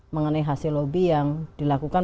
mengenai hasil lobby yang dilakukan